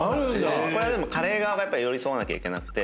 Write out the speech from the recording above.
これはでもカレー側が寄り添わなきゃいけなくて。